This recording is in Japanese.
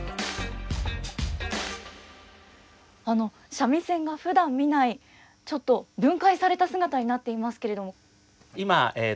三味線がふだん見ないちょっと分解された姿になっていますけれども。